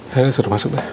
saya suruh masuk